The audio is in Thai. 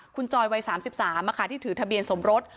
คุณจอยวัย๓๓ที่ถือทะเบียนสมรส